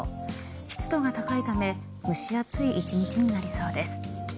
湿度が高いため蒸し暑い一日になりそうです。